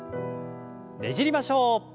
ねじりましょう。